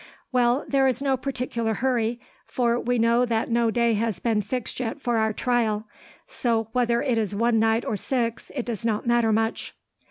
"Well, there is no particular hurry, for we know that no day has been fixed yet for our trial. So, whether it is one night or six, it does not matter much."